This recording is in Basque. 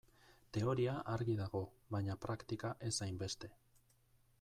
Teoria argi dago, baina praktika ez hainbeste.